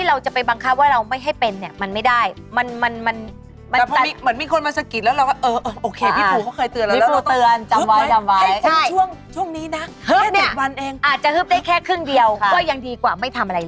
อาจจะฮึบได้แค่ครึ่งเดียวก็ยังดีกว่าไม่ทำอะไรเลย